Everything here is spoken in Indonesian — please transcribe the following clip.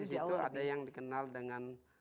di situ ada yang dikenal dengan